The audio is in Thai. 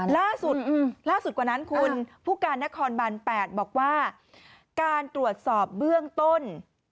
ล่าสุดล่าสุดกว่านั้นคุณผู้การนครบัน๘บอกว่าการตรวจสอบเบื้องต้น